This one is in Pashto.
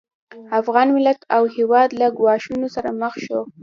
افغان ملت او هېواد له ګواښونو سره مخ شو